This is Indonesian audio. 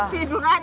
tidur aja lagi tis